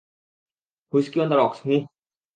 Whisky on the rocks, huh!